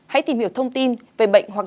hãy tìm hiểu thông tin về bệnh hoặc